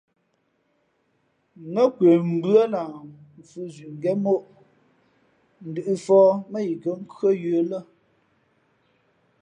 Nά nkwe mbʉ́ά lah mfhʉ̄ zʉʼ ngén móʼ ndʉ̄ʼfóh mά yi kά nkhʉ́ά yə̌ lά.